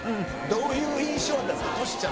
どういう印象だったんですか？